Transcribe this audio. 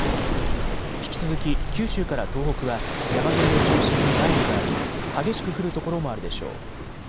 引き続き九州から東北は山沿いを中心に雷雨があり激しく降る所もあるでしょう。